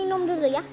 aku minum dulu ya